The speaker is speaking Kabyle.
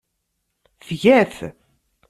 Tga-t.